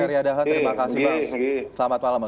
baik bang arteria dahan terima kasih bang